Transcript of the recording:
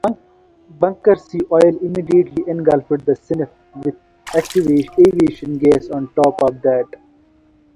Bunker C oil immediately engulfed the ship, with aviation gas on top of that.